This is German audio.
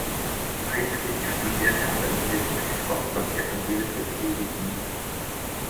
Heidrich studierte an der Universität Rostock Evangelische Theologie.